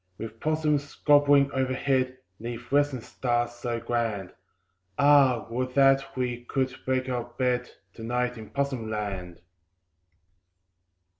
With possums gambolling overhead, 'Neath western stars so grand, Ah! would that we could make our bed To night in Possum Land.